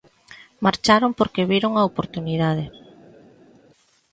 Marcharon porque viron a oportunidade.